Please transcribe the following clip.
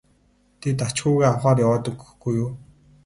тэгээд ач хүүгээ авахаар яваад өгөхгүй юу.